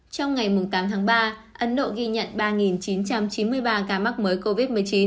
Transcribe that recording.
trong ngày tám tháng ba ấn độ ghi nhận ba chín trăm chín mươi ba ca mắc mới covid một mươi chín